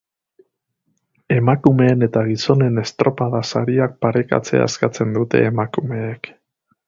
Emakumeen eta gizonen estropada-sariak parekatzea eskatzen dute emakumeek.